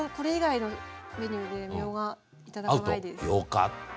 よかった。